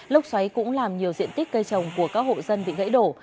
lốc xoáy cũng làm nhiều diện tích cây trồng của các hộ dân bị gãy đổ